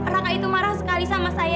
raka itu marah sekali sama saya